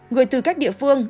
người từ các địa phương